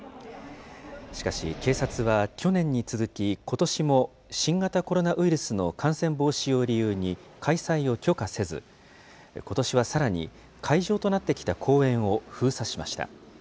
しかし、警察は去年に続き、ことしも新型コロナウイルスの感染防止を理由に開催を許可せず、ことしはさらに会場となってきた公園を封鎖しました。